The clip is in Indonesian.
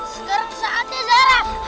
sekarang saatnya zara